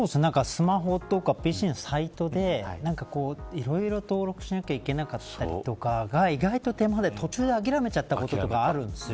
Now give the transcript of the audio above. スマホとかＰＣのサイトでいろいろ登録しないといけないだったりとかそれが意外と手間で、途中でやめたことがあるんです。